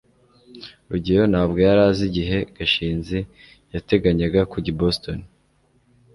rugeyo ntabwo yari azi igihe gashinzi yateganyaga kujya i boston